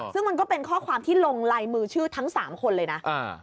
ซึ่งมันก็เป็นข้อความที่ลงลายมือชื่อทั้ง๓คนเลยนะ